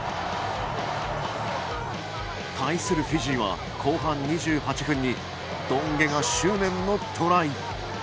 対するフィジーは後半２８分にドンゲが執念のトライ。